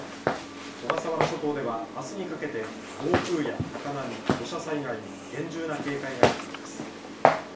小笠原諸島ではあすにかけて暴風や高波、土砂災害に厳重な警戒が必要です。